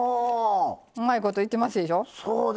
うまいこといってますでしょ。